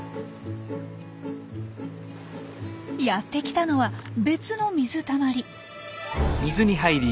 やって来たのは別の水たまり。